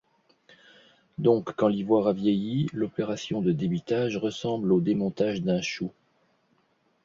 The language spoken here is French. Donc quand l'ivoire a vieilli, l'opération de débitage ressemble au démontage d'un chou.